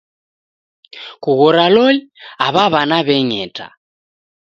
Kughora loli aw'a w'ana w'eng'eta